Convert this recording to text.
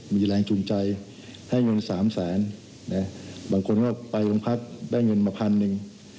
มีแรงจูงใจให้เงิน๓แสนบางคนก็ไปโรงพักได้เงินมาพันหนึ่ง